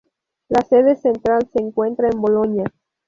La sede central se encuentra en Boloña.